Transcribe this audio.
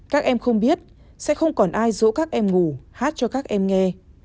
các em không biết sẽ không còn ai dỗ các em ngủ hát cho các em nghe